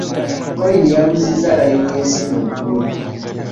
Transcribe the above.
Collin yabuzizzza layini ye ey'essimu eggulo .